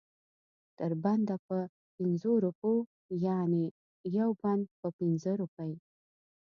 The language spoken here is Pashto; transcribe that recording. تر بنده په پنځو روپو یعنې یو بند په پنځه روپۍ.